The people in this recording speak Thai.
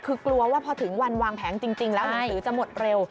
คือกลัวว่าพอถึงวันวางแผงจริงแล้วหนังสือจะหมดเร็ว